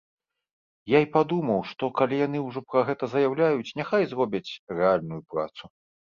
Я і падумаў, што, калі яны ўжо пра гэта заяўляюць, няхай зробяць рэальную працу.